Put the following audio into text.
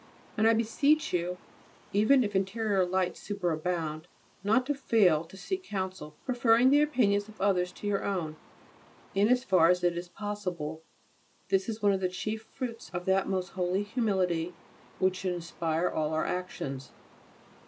And I beseech you, even if interior lights superabound, not to fail to seek counsel, preferring the opinions of others to your own, in as far as it is possible. This is one of the chief fruits of that most holy humility which should inspire all our actions.